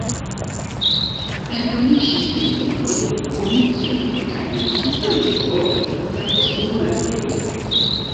Eldoniĝis libroj, komiksoj, kaj vide-ludo bazitaj sur la serio.